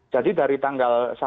jadi dari tangan kita